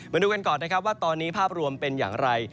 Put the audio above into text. มาดูกันก่อนนะครับว่าตอนนี้ภาพรวมเป็นอย่างไร